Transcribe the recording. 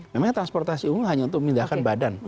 memang transportasi umum hanya untuk memindahkan badan